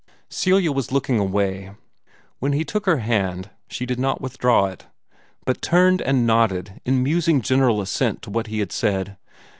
Celia was looking away. When he took her hand she did not withdraw it, but turned and nodded in musing general assent to what he had said.